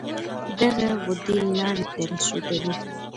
دغه غدې لاړې ترشح کوي.